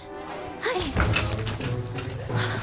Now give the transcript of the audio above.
はい。